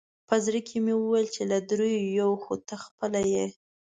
په زړه کې مې وویل چې له درېیو یو خو ته خپله یې.